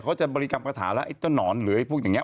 เขาจะบริกรรมคาถาแล้วไอ้เจ้าหนอนหรือไอ้พวกอย่างนี้